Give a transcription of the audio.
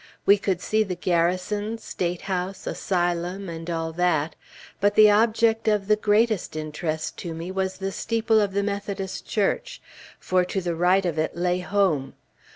We could see the Garrison, State House, Asylum, and all that; but the object of the greatest interest to me was the steeple of the Methodist church, for to the right of it lay home.